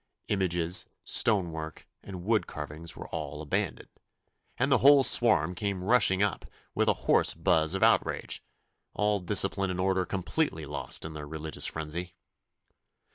Images, stone work, and wood carvings were all abandoned, and the whole swarm came rushing up with a hoarse buzz of rage, all discipline and order completely lost in their religious frenzy.